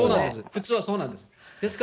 普通はそうなんです。